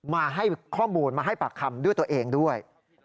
มาให้ข้อมูลมาให้ปากคำด้วยตัวเองด้วย